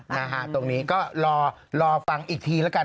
นะฮะตรงนี้ก็รอรอฟังอีกทีแล้วกัน